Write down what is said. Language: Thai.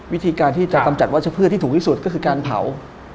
วิธีการที่จะกำจัดวัชพืชที่ถูกที่สุดก็คือการเผา